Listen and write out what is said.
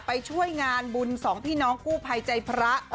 ไปช่วยงานบุญสองพี่น้องกู้ภัยใจพระ